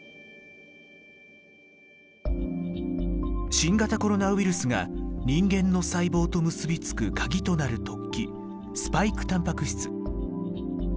新型コロナウイルスが人間の細胞と結びつくカギとなる突起スパイクたんぱく質。